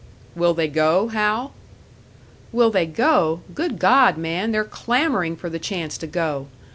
"Will they go, Hal?" "Will they go? Good God, man, they're clamouring for the chance to go!